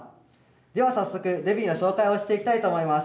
では早速レビーの紹介をしていきたいと思います。